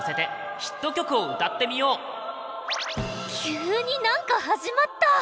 急になんか始まった！